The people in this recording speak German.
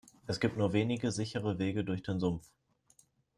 Es gibt nur wenige sichere Wege durch den Sumpf.